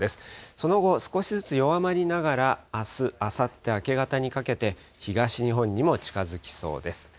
その後、少しずつ弱まりながら、あす、あさって明け方にかけて、東日本にも近づきそうです。